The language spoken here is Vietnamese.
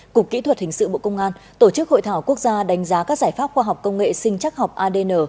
cục kỹ thuật hình sự bộ công an tổ chức hội thảo quốc gia đánh giá các giải pháp khoa học công nghệ sinh chắc học adn